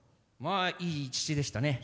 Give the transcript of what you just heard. いい父でしたね。